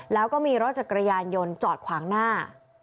แล้วก็มีรถจักรยานยนต์จอดขวางหน้า